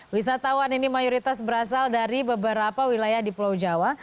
wisatawan ini mayoritas berasal dari beberapa wilayah di pulau jawa